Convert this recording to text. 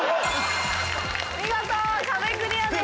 見事壁クリアです。